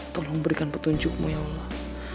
tolong berikan petunjukmu ya allah